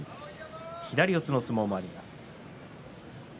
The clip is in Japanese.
左四つの相撲もあります。